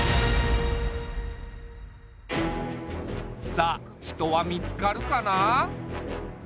さあ人は見つかるかな？